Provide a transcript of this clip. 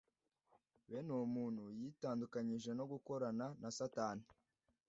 Bene uwo muntu yitandukanyije no gukorana na Satani